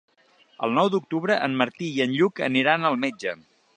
El nou d'octubre en Martí i en Lluc aniran al metge.